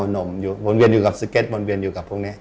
ก็มีคนเชิญมา